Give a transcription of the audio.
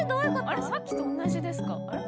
あれさっきと同じですか？